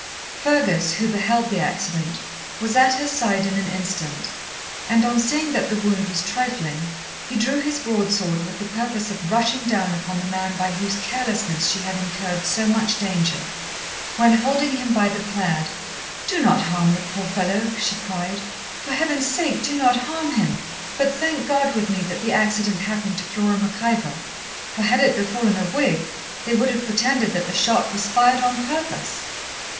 [Footnote: See Note II.] Fergus, who beheld the accident, was at her side in an instant; and, on seeing that the wound was trifling, he drew his broadsword with the purpose of rushing down upon the man by whose carelessness she had incurred so much danger, when, holding him by the plaid, 'Do not harm the poor fellow,' she cried; 'for Heaven's sake, do not harm him! but thank God with me that the accident happened to Flora Mac Ivor; for had it befallen a Whig, they would have pretended that the shot was fired on purpose.'